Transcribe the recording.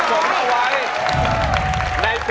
โทษให้